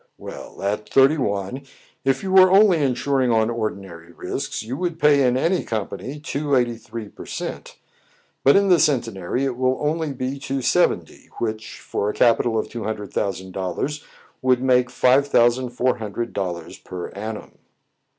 "Well, at thirty one, if you were only insuring on ordinary risks, you would pay in any company two eighty three per cent ; but in the Centenary it will only be two seventy, which, for a capital of two hundred thousand dollars, would make five thousand four hundred dollars per annum."